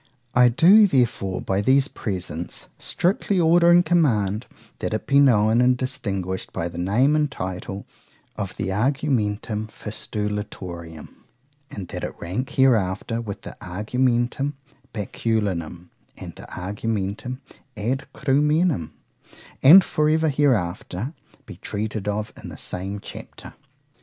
I do, therefore, by these presents, strictly order and command, That it be known and distinguished by the name and title of the Argumentum Fistulatorium, and no other;—and that it rank hereafter with the Argumentum Baculinum and the Argumentum ad Crumenam, and for ever hereafter be treated of in the same chapter.